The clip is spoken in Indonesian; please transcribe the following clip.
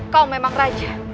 kau memang raja